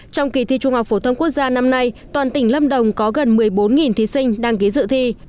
trong kỳ thi trung học phổ thông quốc gia năm nay toàn tỉnh lâm đồng có gần một mươi bốn thí sinh đăng ký dự thi